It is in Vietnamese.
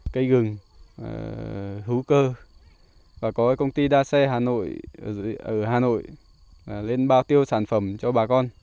cây gừng hữu cơ và có công ty đa xe hà nội ở hà nội lên bao tiêu sản phẩm cho bà con